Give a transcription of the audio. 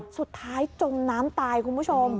สุดท้ายจมน้ำตายคุณผู้ชม